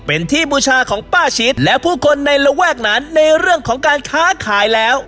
เป็นที่บูชาของป้าชิดและผู้คนในระแวกนั้นในเรื่องของการค้าขายแล้ว